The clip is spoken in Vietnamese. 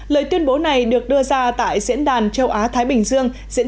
lời tuyên bố này được đưa ra tại diễn đàn châu á thái bình dương